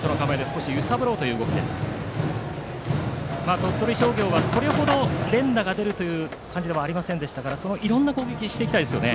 鳥取商業はそれ程連打が出るという感じではありませんでしたからいろんな攻撃をしていきたいですね。